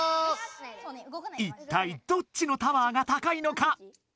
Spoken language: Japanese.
いったいどっちのタワーが高いのか。